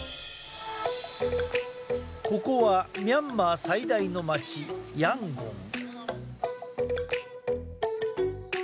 ここはミャンマー最大の街ヤンゴン。